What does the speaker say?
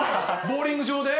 ボウリング場で？